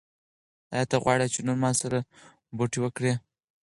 ایا ته غواړې چې نن ما سره بوټي وکرې؟